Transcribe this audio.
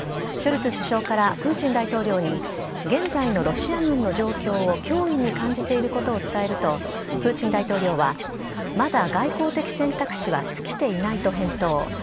ショルツ首相からプーチン大統領に、現在のロシア軍の状況を脅威に感じていることを伝えると、プーチン大統領は、まだ外交的選択肢は尽きていないと返答。